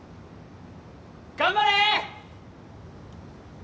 頑張れ！